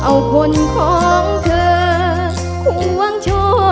เอาคนของเธอควงโชว์